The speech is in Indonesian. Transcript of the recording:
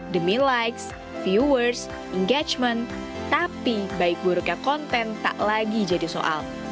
demi likes viewers engagement tapi baik buruknya konten tak lagi jadi soal